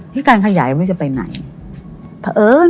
ที่การขยายมันจะไปไหน